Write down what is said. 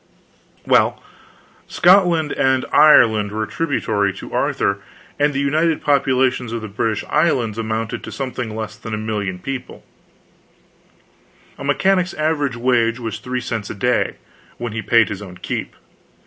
Well, Scotland and Ireland were tributary to Arthur, and the united populations of the British Islands amounted to something less than 1,000,000. A mechanic's average wage was 3 cents a day, when he paid his own keep.